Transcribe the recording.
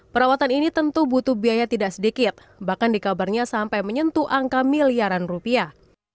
perawatan ini tentu butuh biaya tidak sedikit bahkan dikabarnya sampai menyentuh angka miliaran rupiah